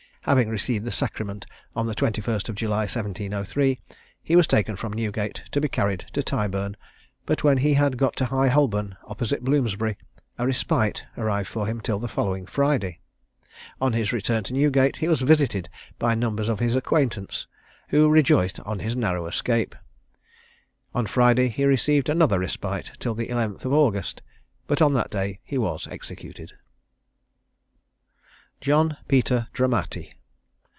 Having received the sacrament on the 21st of July, 1703, he was taken from Newgate to be carried to Tyburn; but, when he had got to High Holborn, opposite Bloomsbury, a respite arrived for him till the following Friday. On his return to Newgate he was visited by numbers of his acquaintance, who rejoiced on his narrow escape. On Friday he received another respite till the 11th of August, but on that day he was executed. JOHN PETER DRAMATTI.